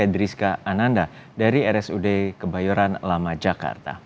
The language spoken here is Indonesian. edriska ananda dari rsud kebayoran lama jakarta